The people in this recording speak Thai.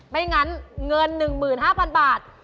ไม่งั้นเงิน๑๕๐๐๐บาท